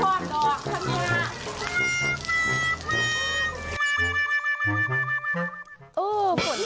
คุณควรดอกตะเนื้อ